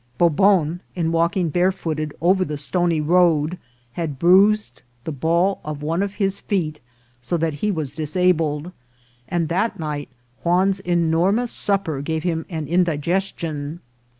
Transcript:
Bobon, in walking barefooted over the stony road, had bruised the ball of one of his feet so that he was disabled, and that night Juan's enormous supper gave him an indigestion.